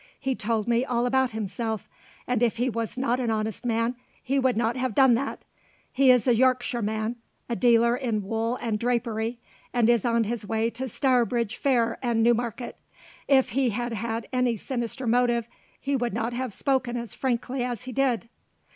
He told me all about himself; and if he was not an honest man, he would not have done that. He is a Yorkshireman, a dealer in wool and drapery, and is on his way to Stourbridge Fair and Newmarket. If he had had any sinister motive, he would not have spoken as frankly as he did."